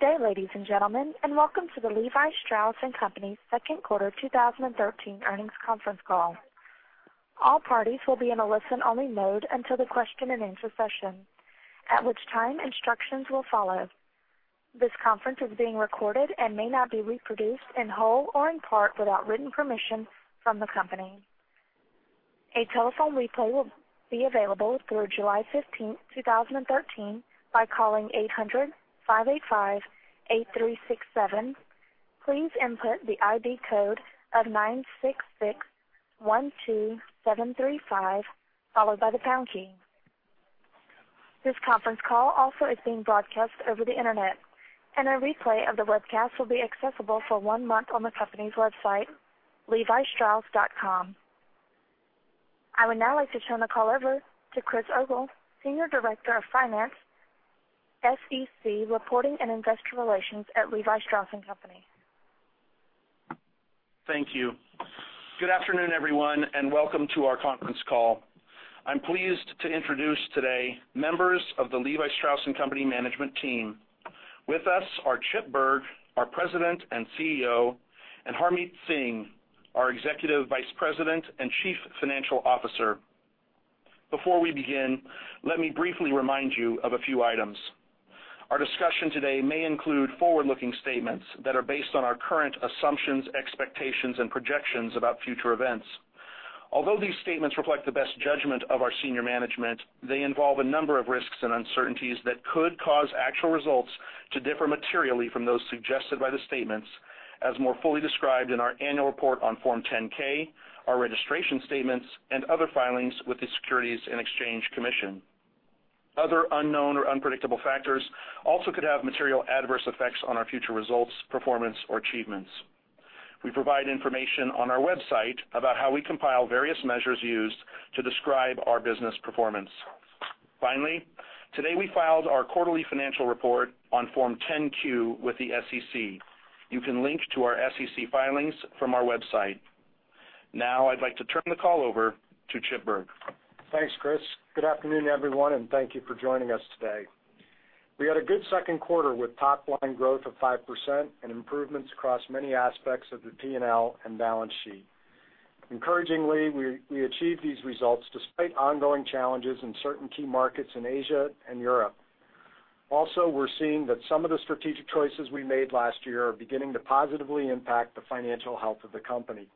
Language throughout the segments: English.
Good day, ladies and gentlemen, and welcome to the Levi Strauss & Co.'s second quarter 2013 earnings conference call. All parties will be in a listen-only mode until the question and answer session, at which time instructions will follow. This conference is being recorded and may not be reproduced in whole or in part without written permission from the company. A telephone replay will be available through July 15th, 2013, by calling 800-585-8367. Please input the ID code of 96612735 followed by the pound key. This conference call also is being broadcast over the internet, and a replay of the webcast will be accessible for one month on the company's website, levistrauss.com. I would now like to turn the call over to Chris Ogle, Senior Director of Finance, SEC Reporting and Investor Relations at Levi Strauss & Co. Thank you. Good afternoon, everyone, and welcome to our conference call. I'm pleased to introduce today members of the Levi Strauss & Co. management team. With us are Chip Bergh, our President and CEO, and Harmit Singh, our Executive Vice President and Chief Financial Officer. Before we begin, let me briefly remind you of a few items. Our discussion today may include forward-looking statements that are based on our current assumptions, expectations, and projections about future events. Although these statements reflect the best judgment of our senior management, they involve a number of risks and uncertainties that could cause actual results to differ materially from those suggested by the statements, as more fully described in our annual report on Form 10-K, our registration statements, and other filings with the Securities and Exchange Commission. Other unknown or unpredictable factors also could have material adverse effects on our future results, performance, or achievements. We provide information on our website about how we compile various measures used to describe our business performance. Finally, today we filed our quarterly financial report on Form 10-Q with the SEC. You can link to our SEC filings from our website. Now I'd like to turn the call over to Chip Bergh. Thanks, Chris. Good afternoon, everyone, and thank you for joining us today. We had a good second quarter with top-line growth of 5% and improvements across many aspects of the P&L and balance sheet. Encouragingly, we achieved these results despite ongoing challenges in certain key markets in Asia and Europe. Also, we're seeing that some of the strategic choices we made last year are beginning to positively impact the financial health of the company.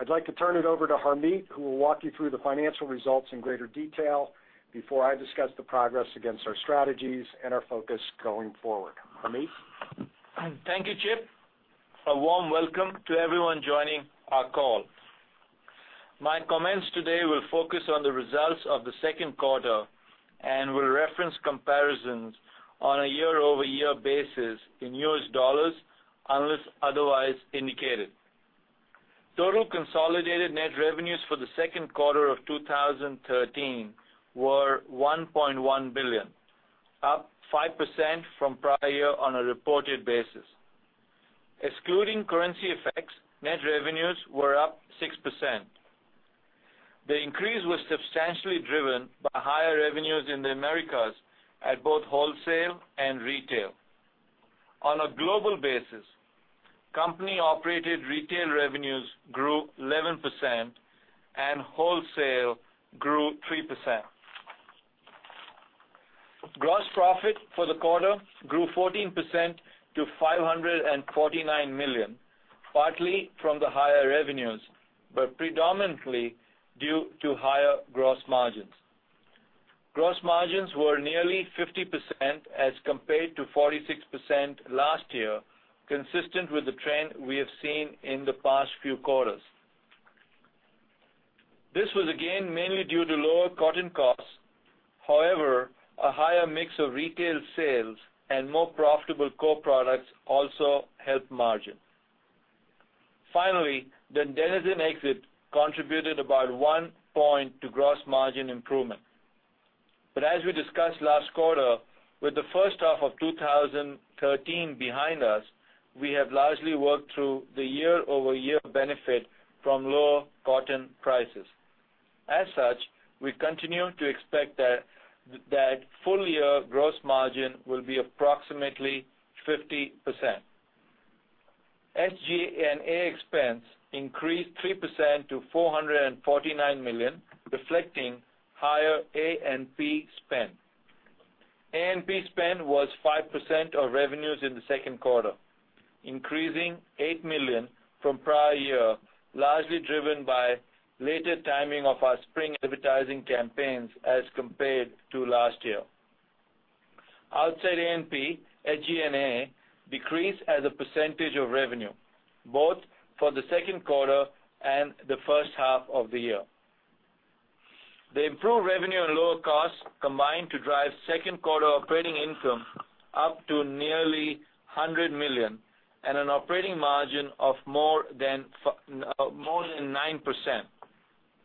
I'd like to turn it over to Harmit, who will walk you through the financial results in greater detail before I discuss the progress against our strategies and our focus going forward. Harmit? Thank you, Chip. A warm welcome to everyone joining our call. My comments today will focus on the results of the second quarter and will reference comparisons on a year-over-year basis in U.S. dollars, unless otherwise indicated. Total consolidated net revenues for the second quarter of 2013 were $1.1 billion, up 5% from prior year on a reported basis. Excluding currency effects, net revenues were up 6%. The increase was substantially driven by higher revenues in the Americas at both wholesale and retail. On a global basis, company-operated retail revenues grew 11% and wholesale grew 3%. Gross profit for the quarter grew 14% to $549 million, partly from the higher revenues, but predominantly due to higher gross margins. Gross margins were nearly 50% as compared to 46% last year, consistent with the trend we have seen in the past few quarters. This was again mainly due to lower cotton costs. A higher mix of retail sales and more profitable core products also helped margin. Finally, the Denizen exit contributed about one point to gross margin improvement. As we discussed last quarter, with the first half of 2013 behind us, we have largely worked through the year-over-year benefit from lower cotton prices. As such, we continue to expect that full-year gross margin will be approximately 50%. SG&A expense increased 3% to $449 million, reflecting higher A&P spend. A&P spend was 5% of revenues in the second quarter, increasing $8 million from prior year, largely driven by later timing of our spring advertising campaigns as compared to last year. Outside A&P, SG&A decreased as a percentage of revenue, both for the second quarter and the first half of the year. The improved revenue and lower costs combined to drive second quarter operating income up to nearly $100 million and an operating margin of more than 9%,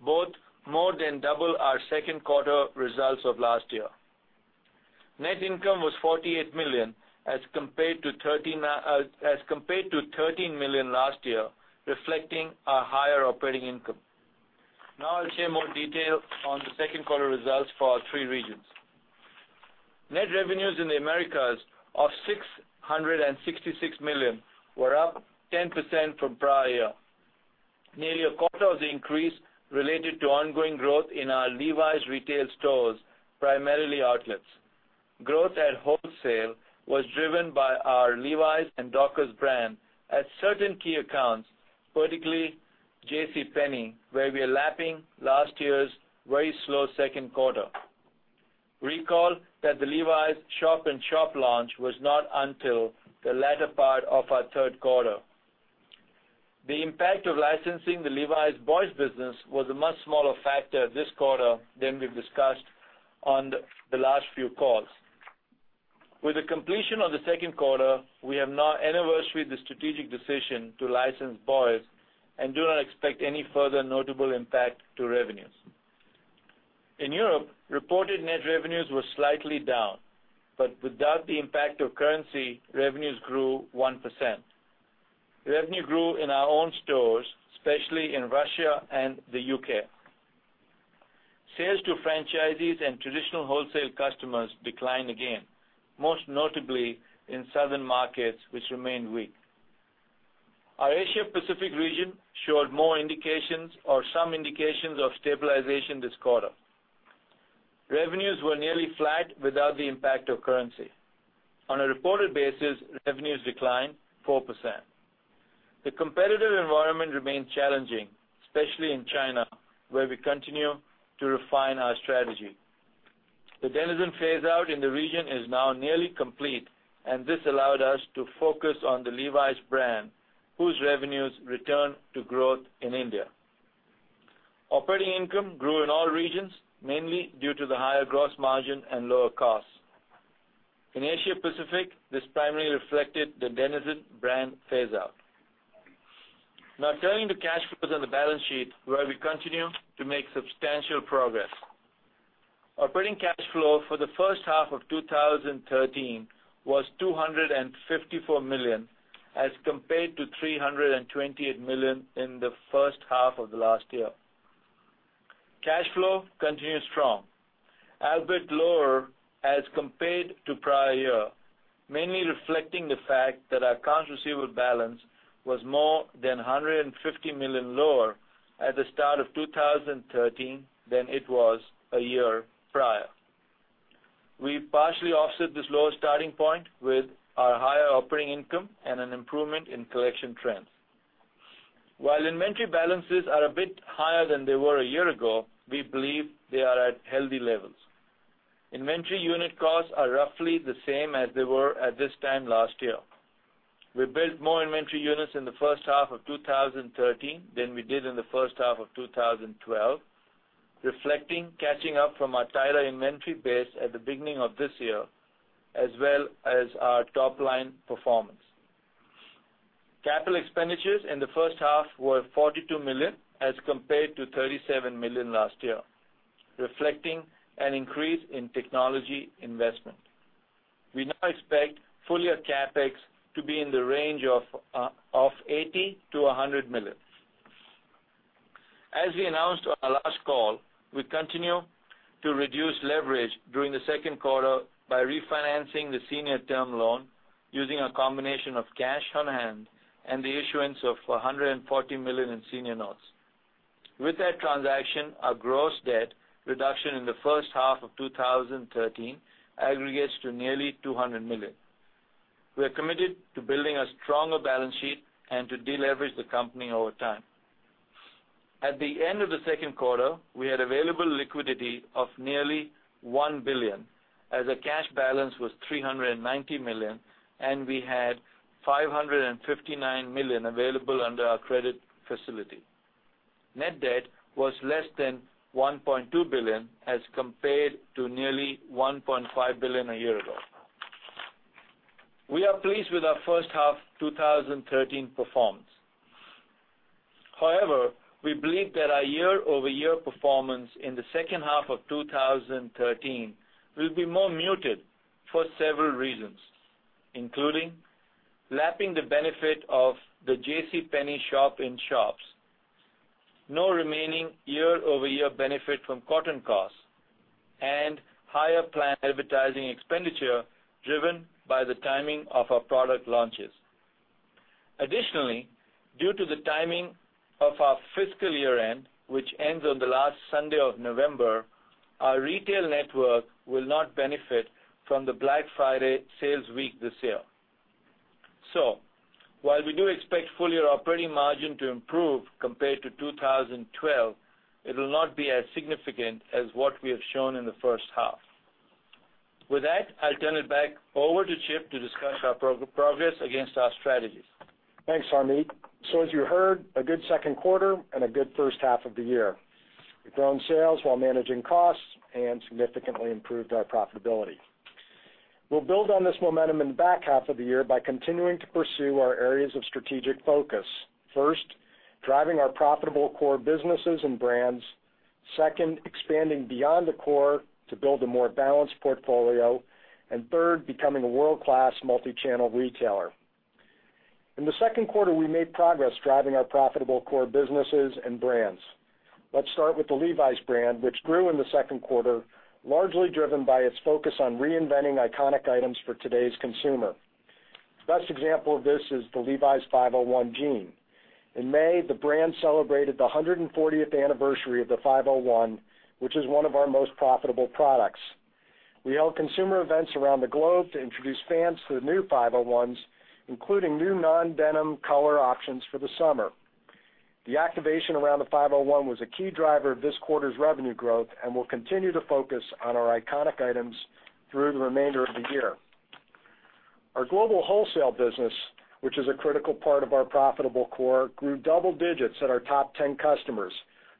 both more than double our second quarter results of last year. Net income was $48 million as compared to $13 million last year, reflecting a higher operating income. I'll share more detail on the second quarter results for our three regions. Net revenues in the Americas of $666 million were up 10% from prior. Nearly a quarter of the increase related to ongoing growth in our Levi's retail stores, primarily outlets. Growth at wholesale was driven by our Levi's and Dockers brand at certain key accounts, particularly JCPenney, where we are lapping last year's very slow second quarter. Recall that the Levi's shop-in-shop launch was not until the latter part of our third quarter. The impact of licensing the Levi's Boys business was a much smaller factor this quarter than we've discussed on the last few calls. With the completion of the second quarter, we have now anniversaried the strategic decision to license Boys and do not expect any further notable impact to revenues. In Europe, reported net revenues were slightly down, without the impact of currency, revenues grew 1%. Revenue grew in our own stores, especially in Russia and the U.K. Sales to franchisees and traditional wholesale customers declined again, most notably in southern markets, which remained weak. Our Asia Pacific region showed more indications or some indications of stabilization this quarter. Revenues were nearly flat without the impact of currency. On a reported basis, revenues declined 4%. The competitive environment remains challenging, especially in China, where we continue to refine our strategy. The Denizen phase-out in the region is now nearly complete, and this allowed us to focus on the Levi's brand, whose revenues return to growth in India. Operating income grew in all regions, mainly due to the higher gross margin and lower costs. In Asia Pacific, this primarily reflected the Denizen brand phase-out. Now turning to cash flows on the balance sheet, where we continue to make substantial progress. Operating cash flow for the first half of 2013 was $254 million, as compared to $328 million in the first half of last year. Cash flow continued strong, albeit lower as compared to prior year, mainly reflecting the fact that our accounts receivable balance was more than $150 million lower at the start of 2013 than it was a year prior. We partially offset this lower starting point with our higher operating income and an improvement in collection trends. While inventory balances are a bit higher than they were a year ago, we believe they are at healthy levels. Inventory unit costs are roughly the same as they were at this time last year. We built more inventory units in the first half of 2013 than we did in the first half of 2012, reflecting catching up from our tighter inventory base at the beginning of this year, as well as our top-line performance. Capital expenditures in the first half were $42 million, as compared to $37 million last year, reflecting an increase in technology investment. We now expect full-year CapEx to be in the range of $80 million-$100 million. As we announced on our last call, we continue to reduce leverage during the second quarter by refinancing the senior term loan using a combination of cash on hand and the issuance of $140 million in senior notes. With that transaction, our gross debt reduction in the first half of 2013 aggregates to nearly $200 million. We are committed to building a stronger balance sheet and to deleverage the company over time. At the end of the second quarter, we had available liquidity of nearly $1 billion, as the cash balance was $390 million, and we had $559 million available under our credit facility. Net debt was less than $1.2 billion as compared to nearly $1.5 billion a year ago. We are pleased with our first half 2013 performance. However, we believe that our year-over-year performance in the second half of 2013 will be more muted for several reasons. Including lapping the benefit of the JCPenney shop-in-shops, no remaining year-over-year benefit from cotton costs, and higher planned advertising expenditure driven by the timing of our product launches. Additionally, due to the timing of our fiscal year-end, which ends on the last Sunday of November, our retail network will not benefit from the Black Friday sales week this year. While we do expect full-year operating margin to improve compared to 2012, it will not be as significant as what we have shown in the first half. With that, I'll turn it back over to Chip to discuss our progress against our strategies. Thanks, Harmit. As you heard, a good second quarter and a good first half of the year. We've grown sales while managing costs and significantly improved our profitability. We'll build on this momentum in the back half of the year by continuing to pursue our areas of strategic focus. First, driving our profitable core businesses and brands. Second, expanding beyond the core to build a more balanced portfolio. Third, becoming a world-class multi-channel retailer. In the second quarter, we made progress driving our profitable core businesses and brands. Let's start with the Levi's brand, which grew in the second quarter, largely driven by its focus on reinventing iconic items for today's consumer. The best example of this is the Levi's 501 jean. In May, the brand celebrated the 140th anniversary of the 501, which is one of our most profitable products. We held consumer events around the globe to introduce fans to the new 501s, including new non-denim color options for the summer. The activation around the 501 was a key driver of this quarter's revenue growth and will continue to focus on our iconic items through the remainder of the year. Our global wholesale business, which is a critical part of our profitable core, grew double digits at our top 10 customers,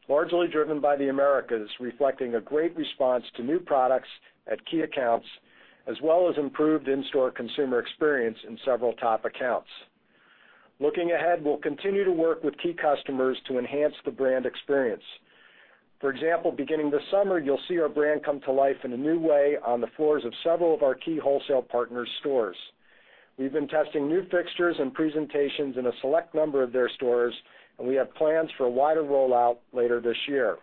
largely driven by the Americas, reflecting a great response to new products at key accounts as well as improved in-store consumer experience in several top accounts. Looking ahead, we'll continue to work with key customers to enhance the brand experience. For example, beginning this summer, you'll see our brand come to life in a new way on the floors of several of our key wholesale partners' stores. We've been testing new fixtures and presentations in a select number of their stores. We have plans for a wider rollout later this year.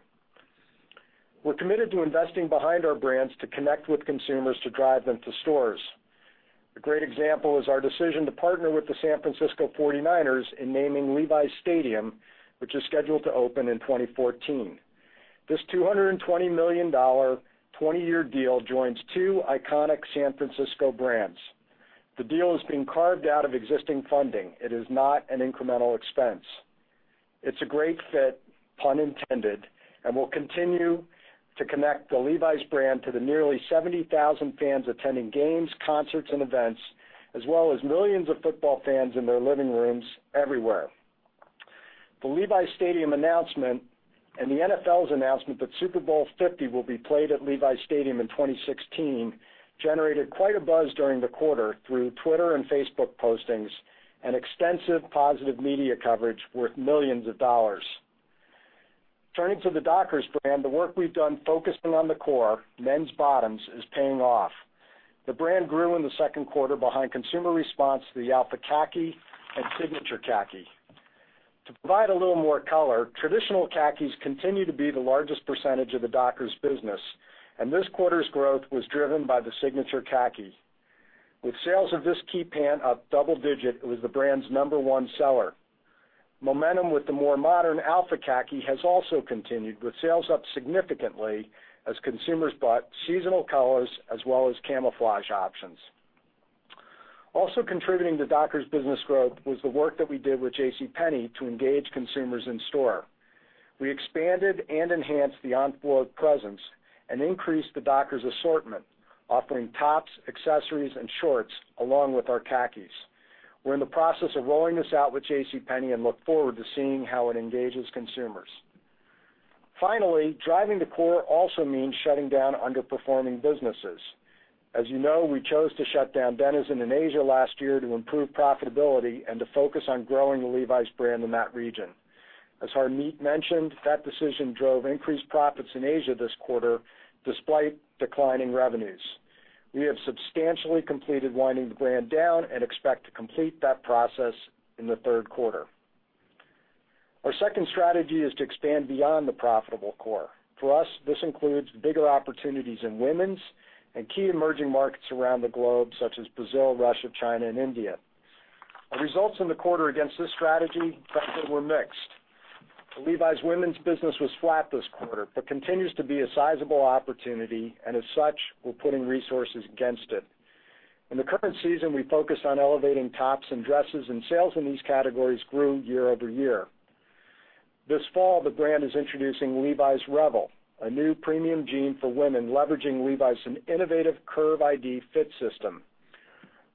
We're committed to investing behind our brands to connect with consumers to drive them to stores. A great example is our decision to partner with the San Francisco 49ers in naming Levi's Stadium, which is scheduled to open in 2014. This $220 million 20-year deal joins two iconic San Francisco brands. The deal is being carved out of existing funding. It is not an incremental expense. It's a great fit, pun intended, and will continue to connect the Levi's brand to the nearly 70,000 fans attending games, concerts, and events, as well as millions of football fans in their living rooms everywhere. The Levi's Stadium announcement and the NFL's announcement that Super Bowl 50 will be played at Levi's Stadium in 2016 generated quite a buzz during the quarter through Twitter and Facebook postings and extensive positive media coverage worth millions of dollars. Turning to the Dockers brand, the work we've done focusing on the core, men's bottoms, is paying off. The brand grew in the second quarter behind consumer response to the Alpha Khaki and Signature Khaki. To provide a little more color, traditional khakis continue to be the largest percentage of the Dockers business, and this quarter's growth was driven by the Signature Khaki. With sales of this key pant up double digit, it was the brand's number one seller. Momentum with the more modern Alpha Khaki has also continued, with sales up significantly as consumers bought seasonal colors as well as camouflage options. Also contributing to Dockers business growth was the work that we did with JCPenney to engage consumers in-store. We expanded and enhanced the on-floor presence and increased the Dockers assortment, offering tops, accessories, and shorts along with our khakis. We're in the process of rolling this out with JCPenney and look forward to seeing how it engages consumers. Finally, driving the core also means shutting down underperforming businesses. As you know, we chose to shut down Denizen in Asia last year to improve profitability and to focus on growing the Levi's brand in that region. As Harmit mentioned, that decision drove increased profits in Asia this quarter, despite declining revenues. We have substantially completed winding the brand down and expect to complete that process in the third quarter. Our second strategy is to expand beyond the profitable core. For us, this includes bigger opportunities in women's and key emerging markets around the globe, such as Brazil, Russia, China, and India. Our results in the quarter against this strategy, frankly, were mixed. The Levi's women's business was flat this quarter, but continues to be a sizable opportunity, and as such, we're putting resources against it. In the current season, we focused on elevating tops and dresses, and sales in these categories grew year-over-year. This fall, the brand is introducing Levi's Revel, a new premium jean for women leveraging Levi's and innovative Curve ID fit system.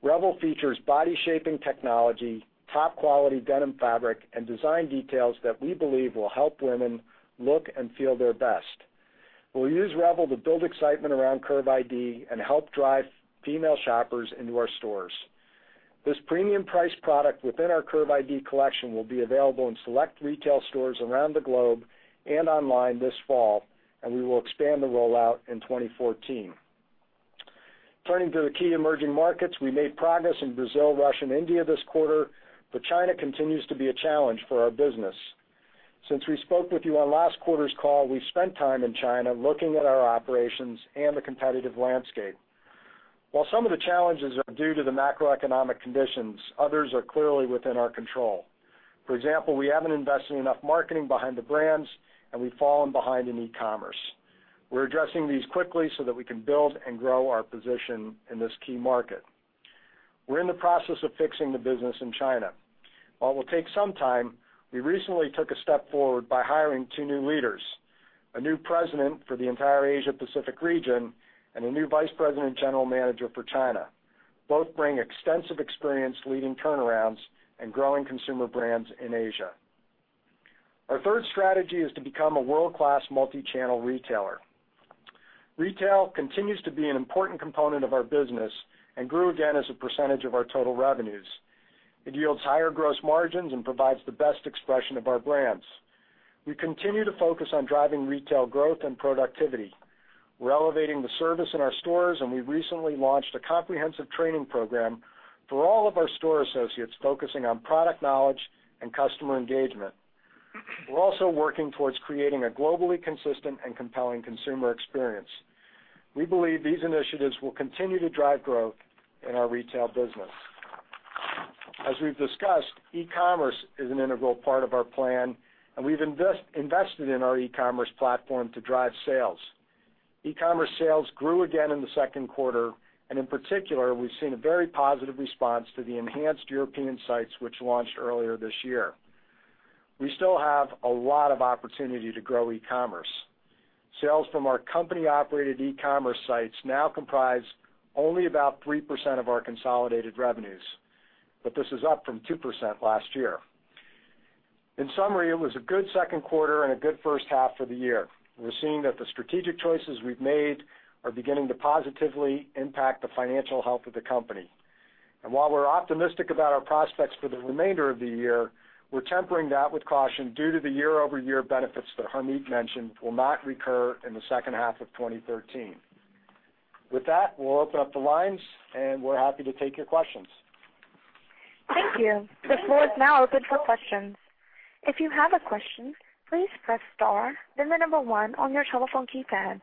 Revel features body-shaping technology, top-quality denim fabric, and design details that we believe will help women look and feel their best. We'll use Revel to build excitement around Curve ID and help drive female shoppers into our stores. This premium price product within our Curve ID collection will be available in select retail stores around the globe and online this fall, and we will expand the rollout in 2014. Turning to the key emerging markets, we made progress in Brazil, Russia, and India this quarter, but China continues to be a challenge for our business. Since we spoke with you on last quarter's call, we've spent time in China looking at our operations and the competitive landscape. While some of the challenges are due to the macroeconomic conditions, others are clearly within our control. For example, we haven't invested enough marketing behind the brands, and we've fallen behind in e-commerce. We're addressing these quickly so that we can build and grow our position in this key market. We're in the process of fixing the business in China. While it will take some time, we recently took a step forward by hiring two new leaders, a new president for the entire Asia-Pacific region and a new vice president and general manager for China. Both bring extensive experience leading turnarounds and growing consumer brands in Asia. Our third strategy is to become a world-class multi-channel retailer. Retail continues to be an important component of our business and grew again as a percentage of our total revenues. It yields higher gross margins and provides the best expression of our brands. We continue to focus on driving retail growth and productivity. We're elevating the service in our stores, and we recently launched a comprehensive training program for all of our store associates, focusing on product knowledge and customer engagement. We're also working towards creating a globally consistent and compelling consumer experience. We believe these initiatives will continue to drive growth in our retail business. As we've discussed, e-commerce is an integral part of our plan, and we've invested in our e-commerce platform to drive sales. E-commerce sales grew again in the second quarter, in particular, we've seen a very positive response to the enhanced European sites which launched earlier this year. We still have a lot of opportunity to grow e-commerce. Sales from our company-operated e-commerce sites now comprise only about 3% of our consolidated revenues, but this is up from 2% last year. In summary, it was a good second quarter and a good first half of the year. We're seeing that the strategic choices we've made are beginning to positively impact the financial health of the company. While we're optimistic about our prospects for the remainder of the year, we're tempering that with caution due to the year-over-year benefits that Harmit mentioned will not recur in the second half of 2013. With that, we'll open up the lines, and we're happy to take your questions. Thank you. The floor is now open for questions. If you have a question, please press star, then 1 on your telephone keypad.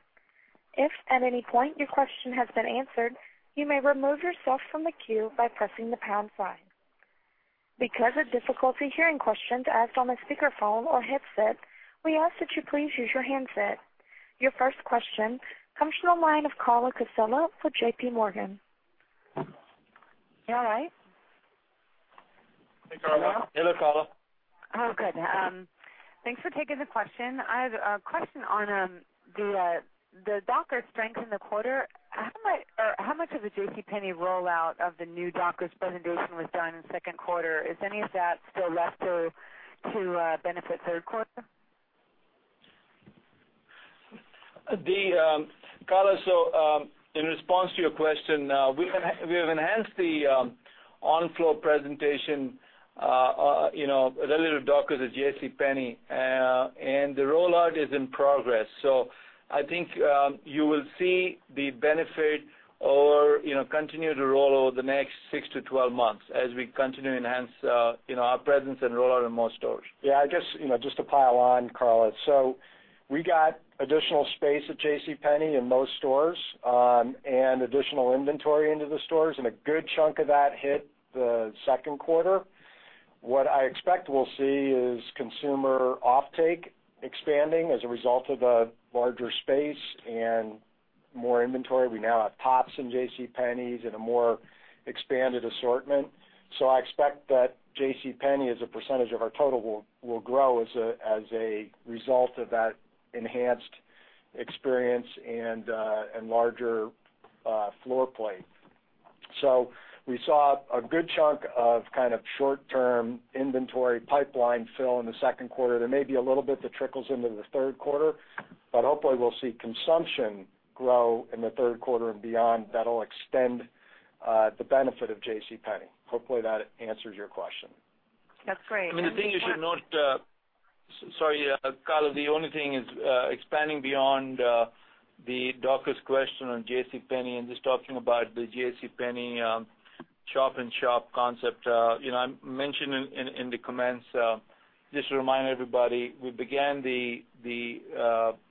If at any point your question has been answered, you may remove yourself from the queue by pressing the pound sign. Because of difficulty hearing questions asked on a speakerphone or headset, we ask that you please use your handset. Your first question comes from the line of Carla Casella with JPMorgan. You all right? Hey, Carla. Hello, Carla. Good. Thanks for taking the question. I have a question on the Dockers strength in the quarter. How much of the JCPenney rollout of the new Dockers presentation was done in the second quarter? Is any of that still left to benefit third quarter? Carla, in response to your question, we have enhanced the on-floor presentation relative Dockers at JCPenney. The rollout is in progress. I think you will see the benefit or continue to roll over the next six to 12 months as we continue to enhance our presence and roll out in more stores. I guess, just to pile on, Carla. We got additional space at JCPenney in most stores, additional inventory into the stores, a good chunk of that hit the second quarter. What I expect we'll see is consumer offtake expanding as a result of the larger space and more inventory. We now have tops in JCPenney's and a more expanded assortment. I expect that JCPenney, as a percentage of our total, will grow as a result of that enhanced experience and larger floor plate. We saw a good chunk of short-term inventory pipeline fill in the second quarter. There may be a little bit that trickles into the third quarter, hopefully we'll see consumption grow in the third quarter and beyond. That'll extend the benefit of JCPenney. Hopefully that answers your question. That's great. The thing you should note-- sorry, Carla, the only thing is expanding beyond the Dockers question on JCPenney and just talking about the JCPenney shop-in-shop concept. I mentioned in the comments, just to remind everybody, we began the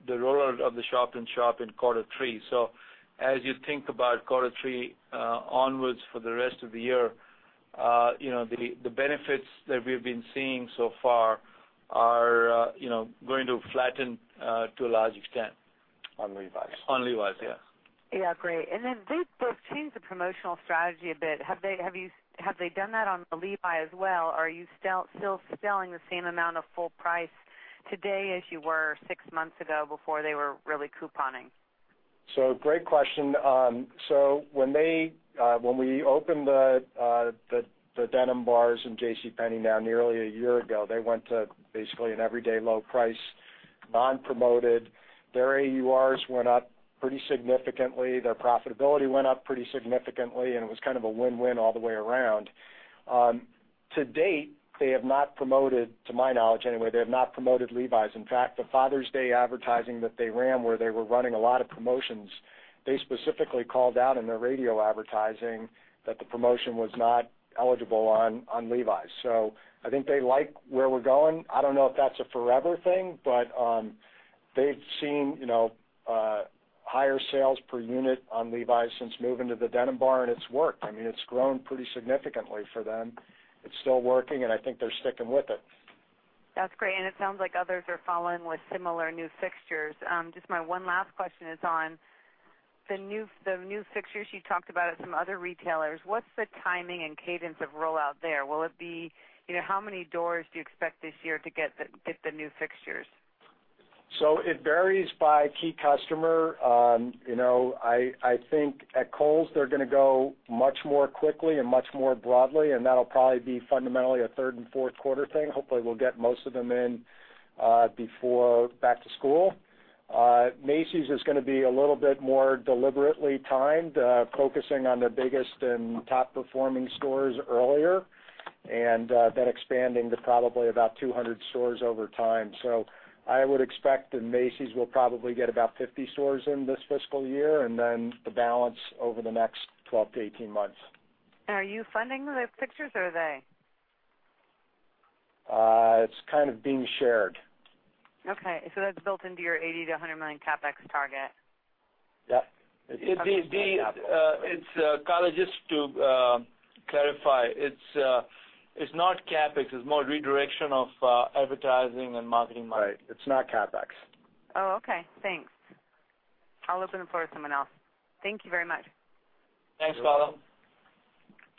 rollout of the shop-in-shop in quarter three. As you think about quarter three onwards for the rest of the year, the benefits that we've been seeing so far are going to flatten to a large extent. On Levi Strauss. On Levi Strauss, yes. Yeah, great. They've both changed the promotional strategy a bit. Have they done that on the Levi's as well? Are you still selling the same amount of full price today as you were six months ago before they were really couponing? Great question. When we opened the Denim Bar in JCPenney now nearly a year ago, they went to basically an everyday low price, non-promoted. Their AURs went up pretty significantly. Their profitability went up pretty significantly, and it was kind of a win-win all the way around. To date, they have not promoted, to my knowledge anyway, they have not promoted Levi's. In fact, the Father's Day advertising that they ran where they were running a lot of promotions, they specifically called out in their radio advertising that the promotion was not eligible on Levi's. I think they like where we're going. I don't know if that's a forever thing, but they've seen higher sales per unit on Levi's since moving to the Denim Bar, and it's worked. It's grown pretty significantly for them. It's still working, and I think they're sticking with it. That's great. It sounds like others are following with similar new fixtures. Just my one last question is on the new fixtures you talked about at some other retailers. What's the timing and cadence of rollout there? How many doors do you expect this year to get the new fixtures? It varies by key customer. I think at Kohl's, they're going to go much more quickly and much more broadly, and that'll probably be fundamentally a third and fourth quarter thing. Hopefully, we'll get most of them in before back to school. Macy's is going to be a little bit more deliberately timed, focusing on the biggest and top-performing stores earlier, and then expanding to probably about 200 stores over time. I would expect that Macy's will probably get about 50 stores in this fiscal year, and then the balance over the next 12 to 18 months. Are you funding the fixtures, or are they? It's kind of being shared. Okay, that's built into your $80 million-$100 million CapEx target? Yeah. Carla Casella, just to clarify. It's not CapEx. It's more redirection of advertising and marketing money. Right. It's not CapEx. Oh, okay. Thanks. I'll open the floor to someone else. Thank you very much. Thanks, Carla.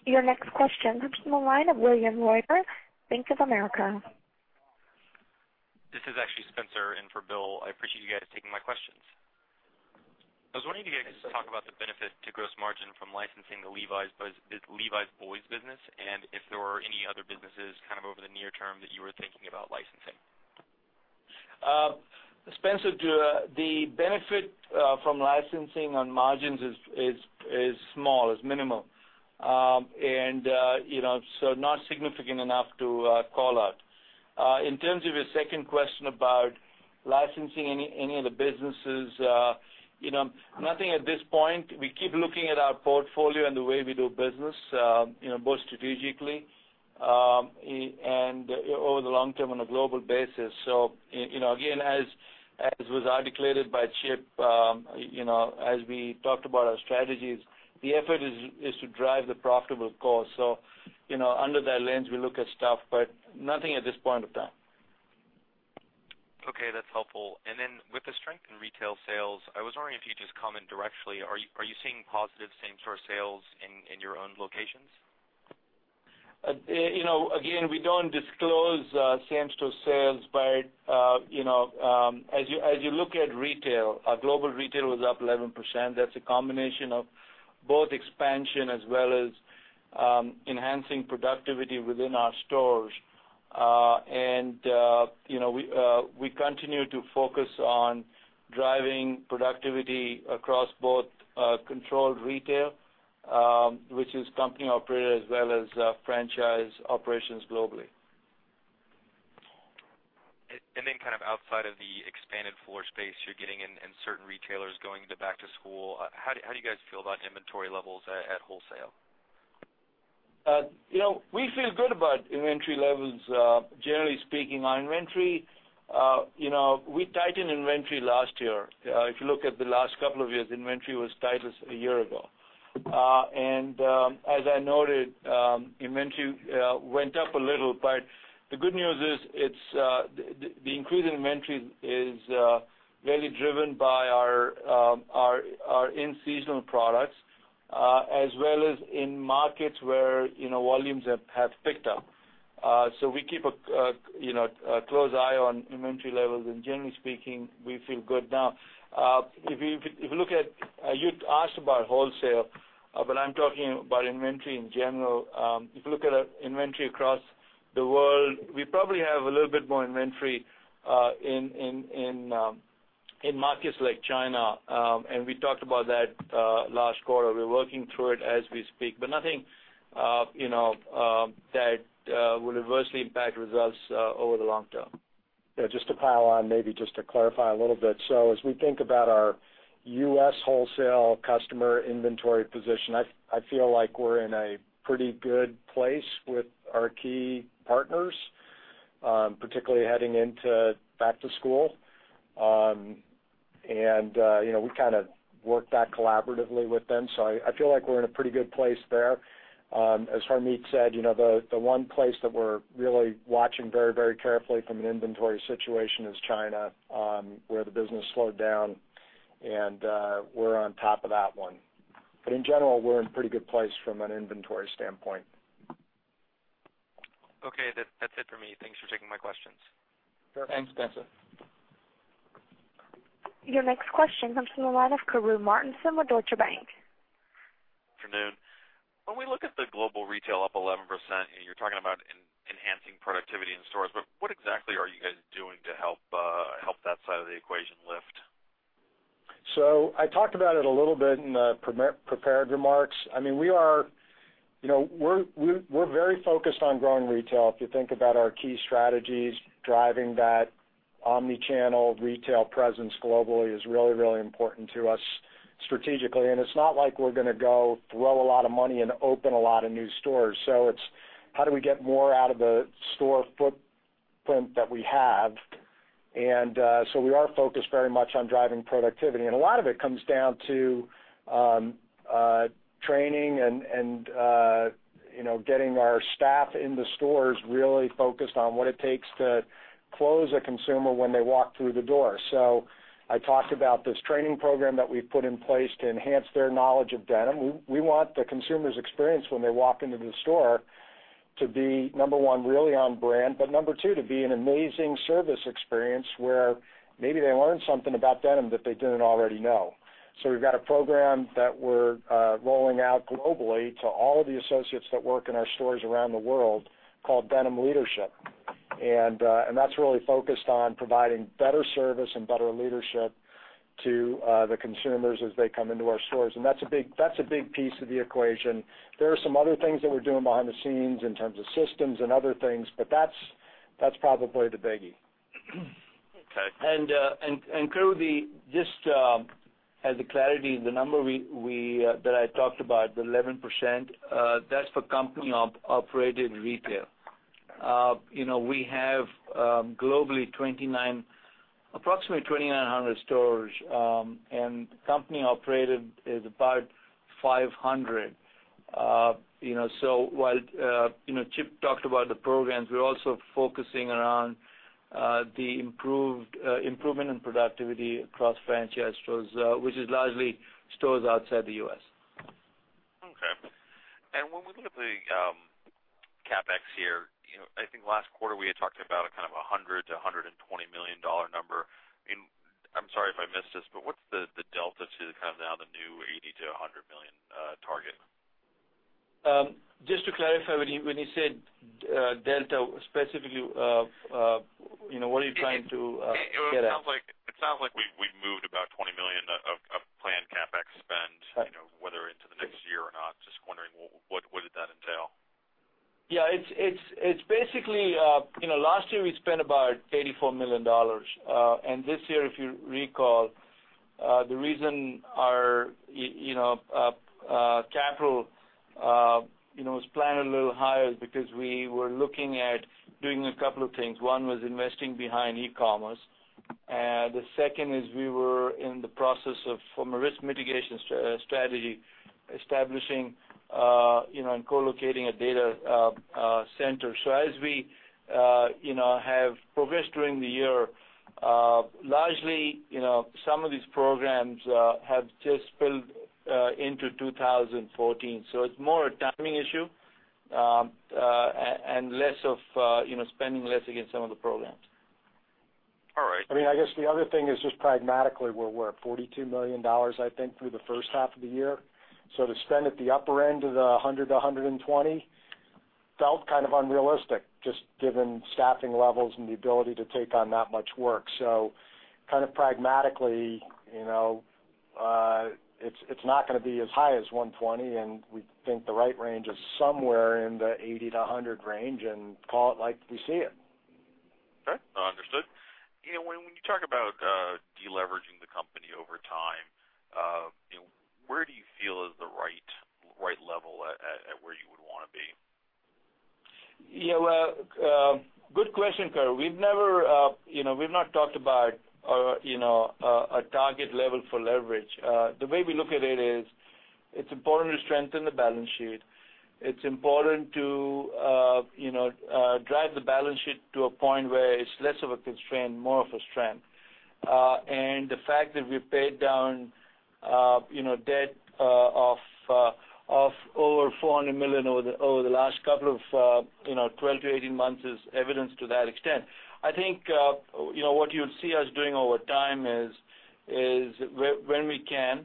Your next question comes from the line of William Reubens, Bank of America. This is actually Spencer in for Bill. I appreciate you guys taking my questions. I was wondering if you guys could talk about the benefit to gross margin from licensing the Levi's boys business, and if there were any other businesses over the near term that you were thinking about licensing. Spencer, the benefit from licensing on margins is small, is minimal. Not significant enough to call out. In terms of your second question about licensing any of the businesses, nothing at this point. We keep looking at our portfolio and the way we do business, both strategically, and over the long term on a global basis. Again, as was articulated by Chip, as we talked about our strategies, the effort is to drive the profitable core. Under that lens, we look at stuff, but nothing at this point of time. Okay, that's helpful. With the strength in retail sales, I was wondering if you'd just comment directly. Are you seeing positive same-store sales in your own locations? Again, we don't disclose same-store sales. As you look at retail, our global retail was up 11%. That's a combination of both expansion as well as enhancing productivity within our stores. We continue to focus on driving productivity across both controlled retail, which is company operated as well as franchise operations globally. Kind of outside of the expanded floor space you're getting and certain retailers going into back to school, how do you guys feel about inventory levels at wholesale? We feel good about inventory levels. Generally speaking, on inventory, we tightened inventory last year. If you look at the last couple of years, inventory was tightest a year ago. As I noted, inventory went up a little, but the good news is the increase in inventory is really driven by our in-seasonal products, as well as in markets where volumes have picked up. We keep a close eye on inventory levels. Generally speaking, we feel good now. If you look at, you asked about wholesale, but I'm talking about inventory in general. If you look at our inventory across the world, we probably have a little bit more inventory in markets like China, and we talked about that last quarter. We're working through it as we speak, but nothing that will adversely impact results over the long term. Yeah, just to pile on, maybe just to clarify a little bit. As we think about our U.S. wholesale customer inventory position, I feel like we're in a pretty good place with our key partners, particularly heading into back to school. We kind of work that collaboratively with them. I feel like we're in a pretty good place there. As Harmit said, the one place that we're really watching very carefully from an inventory situation is China, where the business slowed down, and we're on top of that one. In general, we're in a pretty good place from an inventory standpoint. Okay, that's it for me. Thanks for taking my questions. Sure. Thanks, Spencer. Your next question comes from the line of Grover Martin with Deutsche Bank. Afternoon. When we look at the global retail up 11%, you're talking about enhancing productivity in stores, what exactly are you guys doing to help that side of the equation lift? I talked about it a little bit in the prepared remarks. We're very focused on growing retail. If you think about our key strategies, driving that omni-channel retail presence globally is really important to us strategically. It's not like we're going to go throw a lot of money and open a lot of new stores. It's how do we get more out of the store footprint that we have. We are focused very much on driving productivity. A lot of it comes down to training and getting our staff in the stores really focused on what it takes to close a consumer when they walk through the door. I talked about this training program that we've put in place to enhance their knowledge of denim. We want the consumer's experience when they walk into the store to be, number one, really on brand, but number two, to be an amazing service experience where maybe they learn something about denim that they didn't already know. We've got a program that we're rolling out globally to all of the associates that work in our stores around the world called Denim Leadership. That's really focused on providing better service and better leadership to the consumers as they come into our stores. That's a big piece of the equation. There are some other things that we're doing behind the scenes in terms of systems and other things, but that's probably the biggie. Okay. [Christian], just as a clarity, the number that I talked about, the 11%, that's for company-operated retail. We have, globally, approximately 2,900 stores, and company-operated is about 500. While Chip talked about the programs, we're also focusing around the improvement in productivity across franchise stores, which is largely stores outside the U.S. Okay. When we look at the CapEx here, I think last quarter, we had talked about a kind of $100 million-$120 million number. I'm sorry if I missed this, but what's the delta to the kind of now the new $80 million-$100 million target? Just to clarify, when you said delta, specifically, what are you trying to get at? It sounds like we've moved about $20 million of planned CapEx spend, whether into the next year or not. Just wondering, what did that entail? Yeah. Last year, we spent about $84 million. This year, if you recall, the reason our capital was planned a little higher is because we were looking at doing a couple of things. One was investing behind e-commerce. The second is we were in the process of, from a risk mitigation strategy, establishing and co-locating a data center. As we have progressed during the year, largely, some of these programs have just spilled into 2014. It's more a timing issue, and spending less against some of the programs. All right. I guess the other thing is just pragmatically, we're at $42 million, I think, through the first half of the year. To spend at the upper end of the $100-$120 felt kind of unrealistic, just given staffing levels and the ability to take on that much work. Kind of pragmatically, it's not gonna be as high as $120, and we think the right range is somewhere in the $80-$100 range, and call it like we see it. Okay. Understood. When you talk about de-leveraging the company over time, where do you feel is the right level at where you would want to be? Yeah. Good question, Kirby. We've not talked about a target level for leverage. The way we look at it is, it's important to strengthen the balance sheet. It's important to drive the balance sheet to a point where it's less of a constraint, more of a strength. The fact that we've paid down debt of over $400 million over the last couple of 12 to 18 months is evidence to that extent. I think, what you'll see us doing over time is, when we can,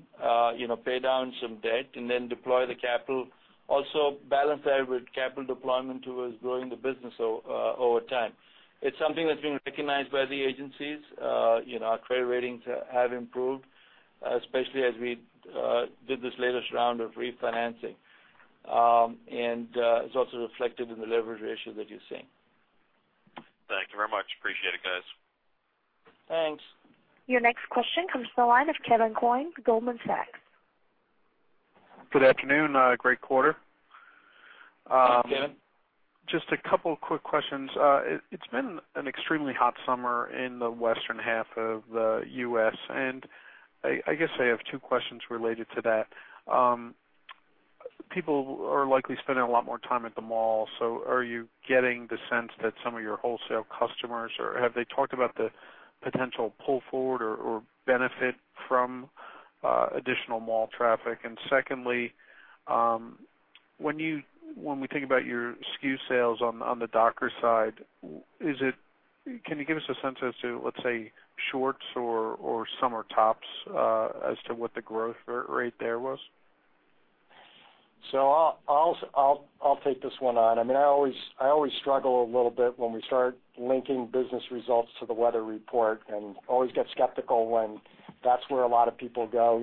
pay down some debt and then deploy the capital. Also balance that with capital deployment towards growing the business over time. It's something that's been recognized by the agencies. Our credit ratings have improved, especially as we did this latest round of refinancing. It's also reflected in the leverage ratio that you're seeing. Thank you very much. Appreciate it, guys. Thanks. Your next question comes from the line of Kevin Coyne, Goldman Sachs. Good afternoon. Great quarter. Hi, Kevin. Just a couple of quick questions. It's been an extremely hot summer in the western half of the U.S., and I guess I have two questions related to that. People are likely spending a lot more time at the mall. Are you getting the sense that some of your wholesale customers, or have they talked about the potential pull forward or benefit from additional mall traffic? Secondly, when we think about your SKU sales on the Dockers side, can you give us a sense as to, let's say, shorts or summer tops as to what the growth rate there was? I'll take this one on. I always struggle a little bit when we start linking business results to the weather report and always get skeptical when that's where a lot of people go.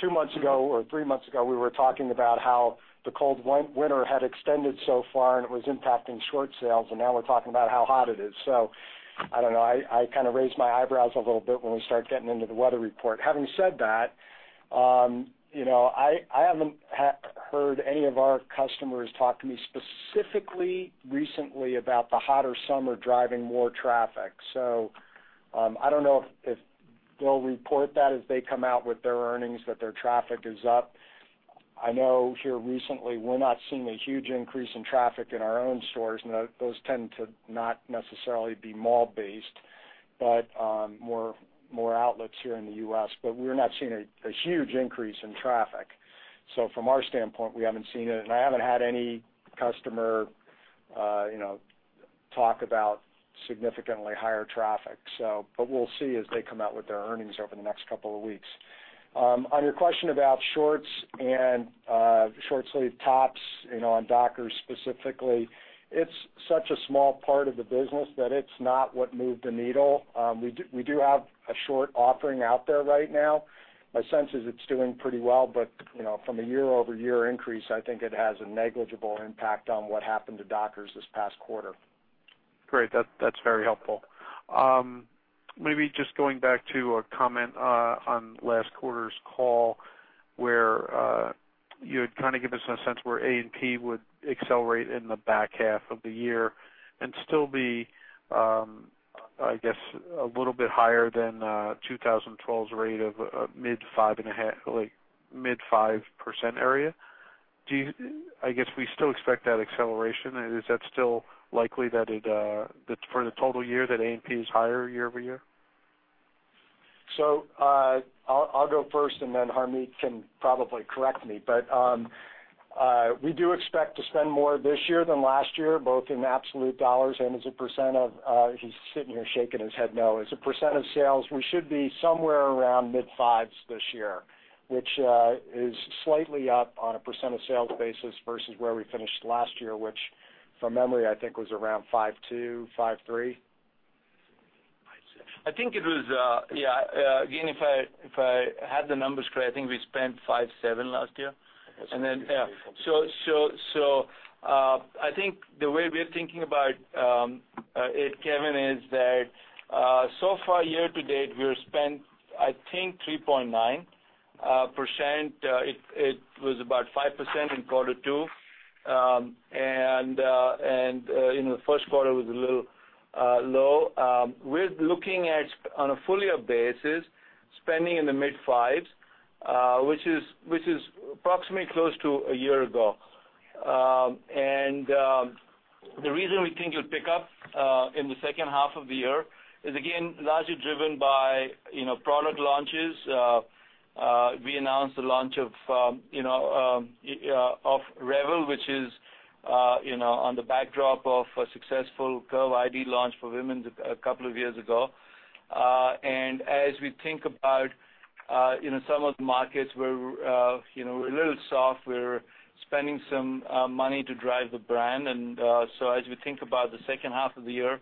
Two months ago or three months ago, we were talking about how the cold winter had extended so far, and it was impacting short sales, and now we're talking about how hot it is. I don't know. I kind of raise my eyebrows a little bit when we start getting into the weather report. Having said that, I haven't heard any of our customers talk to me specifically recently about the hotter summer driving more traffic. I don't know if they'll report that as they come out with their earnings, that their traffic is up. I know here recently, we're not seeing a huge increase in traffic in our own stores, and those tend to not necessarily be mall based, but more outlets here in the U.S. We're not seeing a huge increase in traffic. From our standpoint, we haven't seen it, and I haven't had any customer- Talk about significantly higher traffic. We'll see as they come out with their earnings over the next couple of weeks. On your question about shorts and short-sleeved tops on Dockers specifically, it's such a small part of the business that it's not what moved the needle. We do have a short offering out there right now. My sense is it's doing pretty well, but from a year-over-year increase, I think it has a negligible impact on what happened to Dockers this past quarter. Great. That's very helpful. Maybe just going back to a comment on last quarter's call, where you had kind of given us a sense where A&P would accelerate in the back half of the year and still be, I guess, a little bit higher than 2012's rate of mid 5% area. I guess, we still expect that acceleration. Is that still likely that for the total year, that A&P is higher year-over-year? I'll go first, and then Harmit can probably correct me. We do expect to spend more this year than last year, both in absolute dollars and as a % of He's sitting here shaking his head no. As a % of sales, we should be somewhere around mid 5s this year, which is slightly up on a % of sales basis versus where we finished last year, which, from memory, I think was around 5.2, 5.3. I think it was Yeah. Again, if I have the numbers correct, I think we spent 5.7 last year. I think the way we're thinking about it, Kevin, is that so far year-to-date, we've spent, I think, 3.9%. It was about 5% in quarter two. In the first quarter, it was a little low. We're looking at, on a full-year basis, spending in the mid 5s, which is approximately close to a year ago. The reason we think it'll pick up in the second half of the year is, again, largely driven by product launches. We announced the launch of Revel, which is on the backdrop of a successful Curve ID launch for women a couple of years ago. As we think about some of the markets where we're a little soft. We're spending some money to drive the brand. As we think about the second half of the year,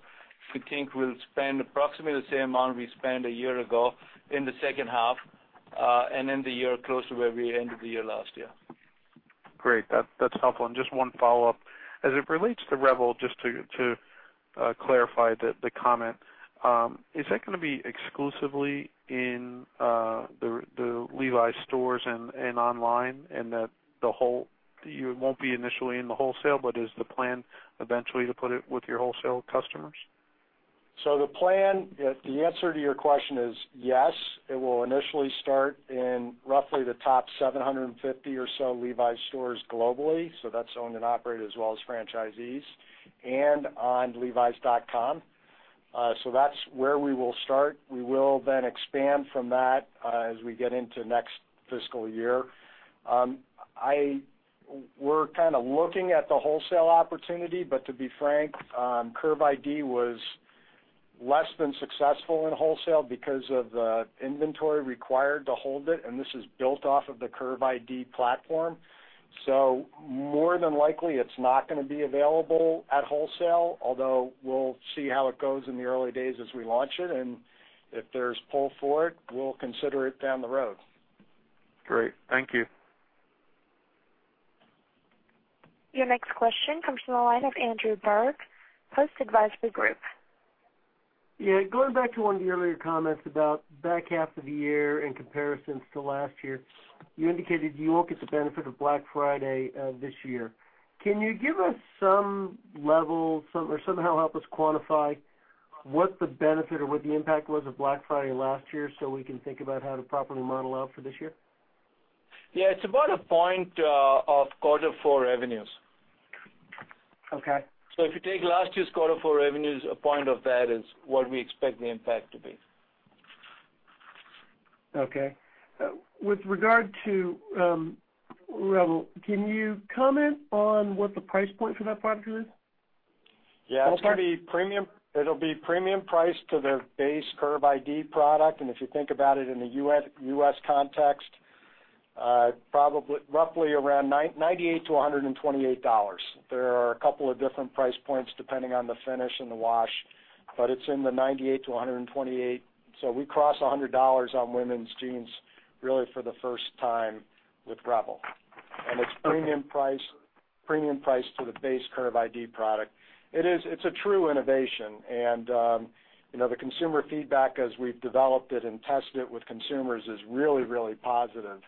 we think we'll spend approximately the same amount we spent a year ago in the second half, and end the year close to where we ended the year last year. Great. That's helpful. Just one follow-up. As it relates to Revel, just to clarify the comment. Is that going to be exclusively in the Levi's stores and online, that you won't be initially in the wholesale, is the plan eventually to put it with your wholesale customers? The answer to your question is yes. It will initially start in roughly the top 750 or so Levi's stores globally. That's owned and operated as well as franchisees, and on levis.com. That's where we will start. We will expand from that as we get into next fiscal year. We're kind of looking at the wholesale opportunity, to be frank, Curve ID was less than successful in wholesale because of the inventory required to hold it, and this is built off of the Curve ID platform. More than likely, it's not going to be available at wholesale, although we'll see how it goes in the early days as we launch it, and if there's pull for it, we'll consider it down the road. Great. Thank you. Your next question comes from the line of Andrew Berg, Post Advisory Group. Yeah. Going back to one of the earlier comments about back half of the year in comparisons to last year. You indicated you won't get the benefit of Black Friday this year. Can you give us some level or somehow help us quantify what the benefit or what the impact was of Black Friday last year so we can think about how to properly model out for this year? Yeah. It's about a point of quarter four revenues. Okay. If you take last year's quarter four revenues, a point of that is what we expect the impact to be. Okay. With regard to REVEL, can you comment on what the price point for that product is? Yeah. It'll be premium price to the base Curve ID product. If you think about it in the U.S. context, roughly around $98-$128. There are a couple of different price points depending on the finish and the wash, but it's in the $98-$128. We cross $100 on women's jeans really for the first time with REVEL. It's premium price to the base Curve ID product. It's a true innovation, and the consumer feedback as we've developed it and tested it with consumers is really positive.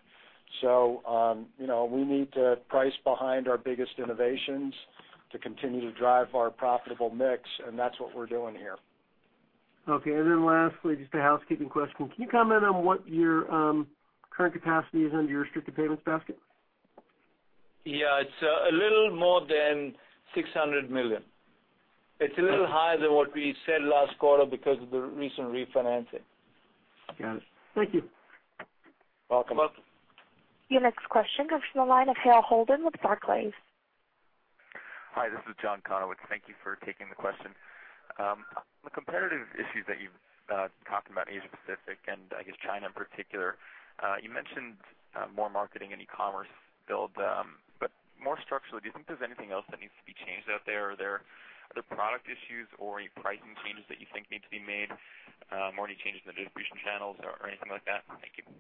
We need to price behind our biggest innovations to continue to drive our profitable mix, and that's what we're doing here. Okay. Lastly, just a housekeeping question. Can you comment on what your current capacity is under your restricted payments basket? Yeah. It's a little more than $600 million. It's a little higher than what we said last quarter because of the recent refinancing. Got it. Thank you. Welcome. Your next question comes from the line of Hale Holden with Barclays. Hi, this is John Konowich. Thank you for taking the question. On the competitive issues that you've talked about, Asia-Pacific, and I guess China in particular, you mentioned more marketing and e-commerce build. More structurally, do you think there's anything else that needs to be changed out there? Are there product issues or any pricing changes that you think need to be made, or any changes in the distribution channels or anything like that? Thank you.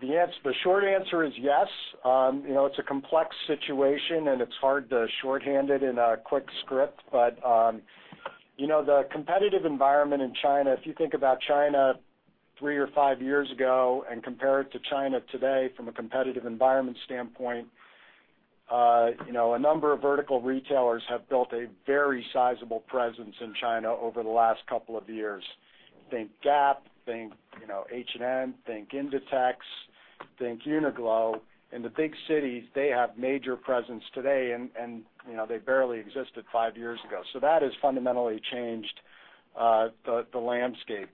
The short answer is yes. It's a complex situation, and it's hard to short-hand it in a quick script. The competitive environment in China, if you think about China three or five years ago and compare it to China today from a competitive environment standpoint, a number of vertical retailers have built a very sizable presence in China over the last couple of years. Think Gap, think H&M, think Inditex, think Uniqlo. In the big cities, they have major presence today, and they barely existed five years ago. That has fundamentally changed the landscape.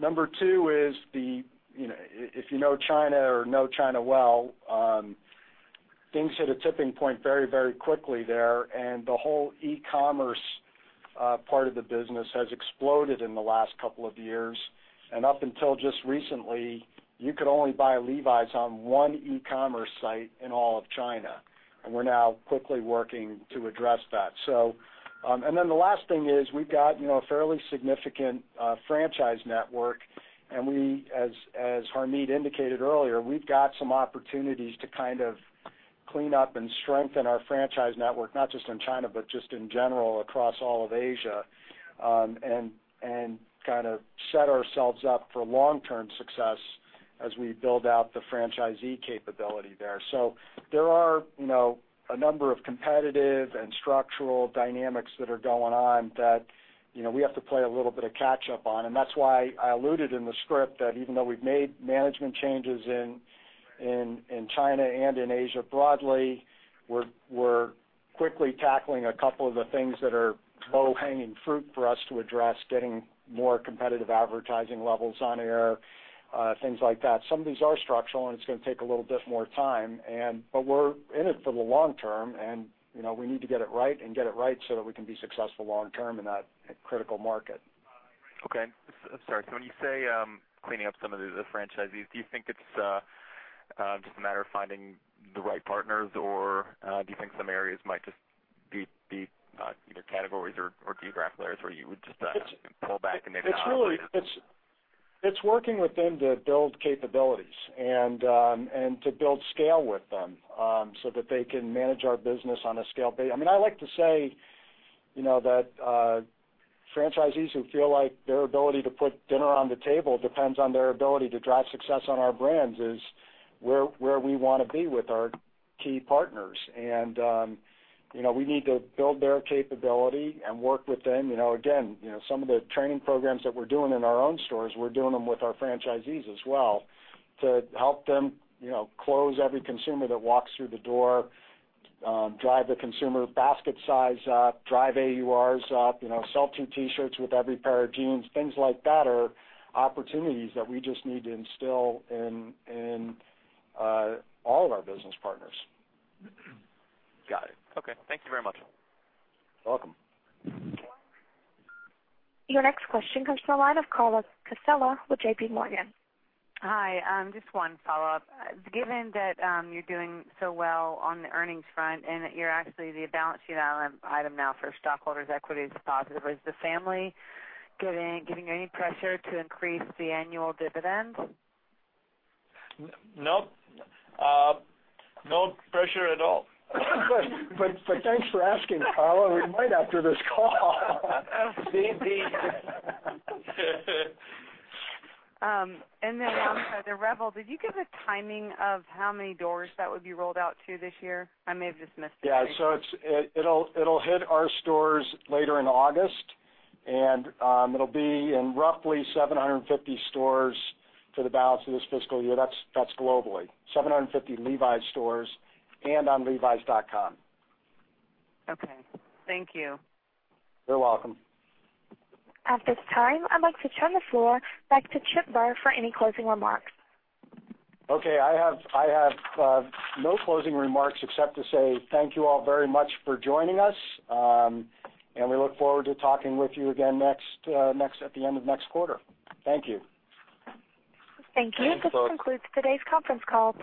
Number 2 is, if you know China or know China well, things hit a tipping point very quickly there, and the whole e-commerce part of the business has exploded in the last couple of years. Up until just recently, you could only buy Levi's on one e-commerce site in all of China, we're now quickly working to address that. The last thing is we've got a fairly significant franchise network, as Harmit indicated earlier, we've got some opportunities to clean up and strengthen our franchise network, not just in China, but just in general across all of Asia, and set ourselves up for long-term success as we build out the franchisee capability there. There are a number of competitive and structural dynamics that are going on that we have to play a little bit of catch up on. That's why I alluded in the script that even though we've made management changes in China and in Asia broadly, we're quickly tackling a couple of the things that are low-hanging fruit for us to address, getting more competitive advertising levels on air, things like that. Some of these are structural, and it's going to take a little bit more time. We're in it for the long term, and we need to get it right, and get it right so that we can be successful long term in that critical market. Okay. I'm sorry. When you say cleaning up some of the franchisees, do you think it's just a matter of finding the right partners, or do you think some areas might just be either categories or geographic layers where you would just pull back and maybe not renew? It's working with them to build capabilities and to build scale with them, so that they can manage our business on a scale. I like to say that franchisees who feel like their ability to put dinner on the table depends on their ability to drive success on our brands is where we want to be with our key partners. We need to build their capability and work with them. Again, some of the training programs that we're doing in our own stores, we're doing them with our franchisees as well to help them close every consumer that walks through the door, drive the consumer basket size up, drive AURs up, sell two T-shirts with every pair of jeans. Things like that are opportunities that we just need to instill in all of our business partners. Got it. Okay. Thank you very much. Welcome. Your next question comes from the line of Carla Casella with JPMorgan. Hi. Just one follow-up. Given that you're doing so well on the earnings front and that you're actually the balance sheet item now for stockholders' equity is positive, is the family giving any pressure to increase the annual dividends? No. No pressure at all. Thanks for asking, Carla. We might after this call. Indeed. I'm sorry. To Revel, did you give a timing of how many doors that would be rolled out to this year? I may have just missed it. Yeah. It'll hit our stores later in August, and it'll be in roughly 750 stores for the balance of this fiscal year. That's globally. 750 Levi's stores and on levis.com. Okay. Thank you. You're welcome. At this time, I'd like to turn the floor back to Chip Bergh for any closing remarks. Okay. I have no closing remarks except to say thank you all very much for joining us, we look forward to talking with you again at the end of next quarter. Thank you. Thank you. Thanks, folks. This concludes today's conference call.